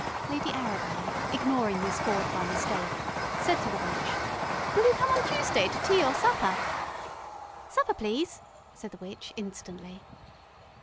Lady Arabel, ignoring Miss Ford by mistake, said to the witch: "Will you come on Tuesday to tea or supper?" "Supper, please," said the witch instantly.